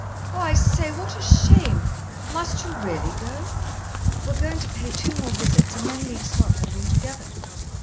"Oh, I say! What a shame. Must you really go?" "We're going to pay two more visits and then leave Scotland altogether."